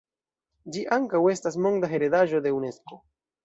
Ĝi ankaŭ estas Monda heredaĵo de Unesko.